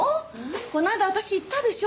この間私言ったでしょ？